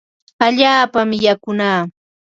Allaapami yakunaa.